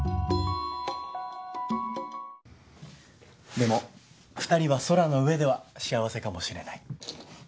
でも２人は空の上では幸せかもしれない。